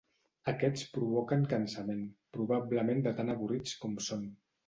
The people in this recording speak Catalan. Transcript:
Aquests provoquen cansament, probablement de tan avorrits com són.